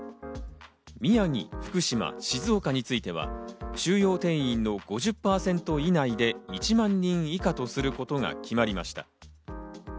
宮城、福島、静岡については収容定員の５０％以内で１万人以下とすることが決まりました。